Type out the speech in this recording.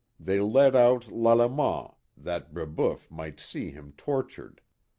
They led out Lalemant, that Brebeuf might see him tortured.